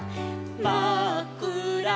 「まっくら